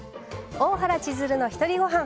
「大原千鶴のひとりごはん」。